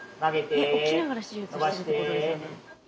えっ起きながら手術してるってことですよね。